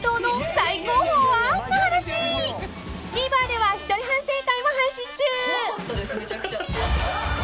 ［ＴＶｅｒでは一人反省会も配信中］